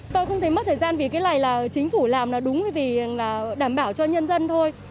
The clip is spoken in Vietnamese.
tôi không thấy mất thời gian vì cái này là chính phủ làm là đúng vì là đảm bảo cho nhân dân thôi